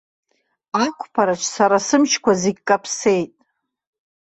Ақәԥараҿ сара сымчқәа зегь каԥсеит!